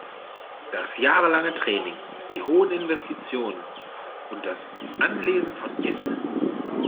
Das jahrelange Training, die hohen Investitionen und das Anlesen von Wissen?